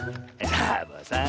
サボさん。